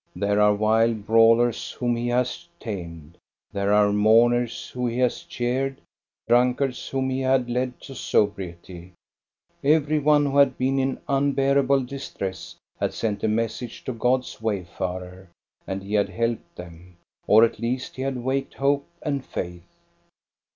There are wild brawlers whom he has tamed. There are mourners whom he has cheered, drunkards whom he had led to sobriety. Every one who had been in unbearable distress had sent a mes sage to God's wayfarer, and he had helped them, or at least he had waked hope and faith.